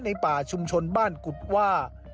ในป่าชุมชนบ้านกุบว่า